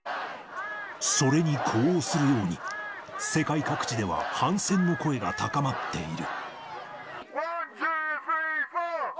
それに呼応するように、世界各地では反戦の声が高まっている。